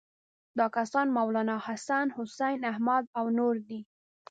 دا کسان مولناحسن، حسین احمد او نور دي.